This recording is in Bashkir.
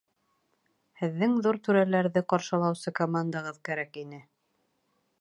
Һеҙҙең ҙур түрәләрҙе ҡаршылаусы командағыҙ кәрәк ине.